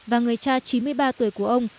và người cha chín mươi ba tuổi của ông